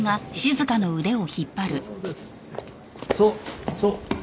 そうそう。